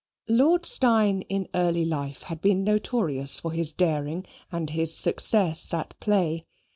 Lord Steyne in early life had been notorious for his daring and his success at play.